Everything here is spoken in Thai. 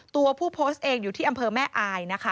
ตัวผู้โพสต์เองอยู่ที่อำเภอแม่อายนะคะ